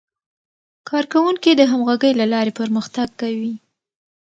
کارکوونکي د همغږۍ له لارې پرمختګ کوي